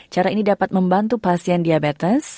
cara ini dapat membantu pasien diabetes